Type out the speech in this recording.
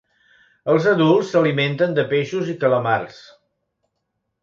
Els adults s'alimenten de peixos i calamars.